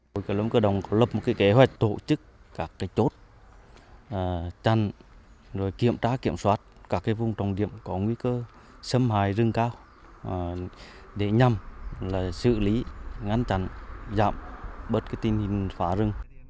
đội cơ long cơ đồng có lập một kế hoạch tổ chức các chốt chặn kiểm tra kiểm soát các vùng trọng điểm có nguy cơ xâm hại rừng cao để nhằm xử lý ngăn chặn giảm bớt tình hình phá rừng